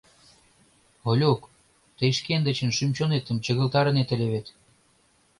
Олюк, тый шкендычын шӱм-чонетым чыгылтарынет ыле вет?